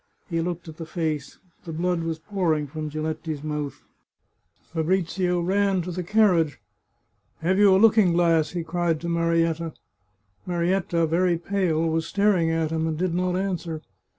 He looked at the face; the blood was pouring from Giletti's mouth. 197 The Chartreuse of Parma Fabrizio ran to the carriage. " Have you a looking glass ?" he cried to Marietta. Marietta, very pale, was star ing at him, and did not answer.